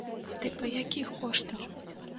Ды па якіх коштах!